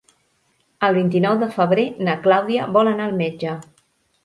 El vint-i-nou de febrer na Clàudia vol anar al metge.